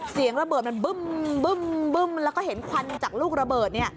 เสียงระเบิดมันบึ้มแล้วก็เห็นควันจากลูกระเบิดเนี่ย